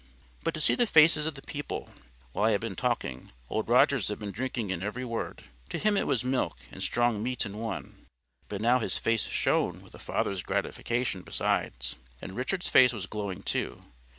But to see the faces of the people! While I had been talking, Old Rogers had been drinking in every word. To him it was milk and strong meat in one. But now his face shone with a father's gratification besides. And Richard's face was glowing too.